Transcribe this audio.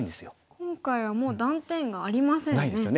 今回はもう断点がありませんね。